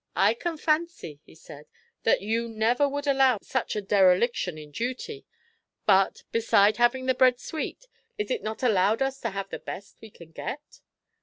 "I can fancy," he said, "that you never would allow such a dereliction in duty. But, beside having the bread sweet, is it not allowed us to have the best we can get?"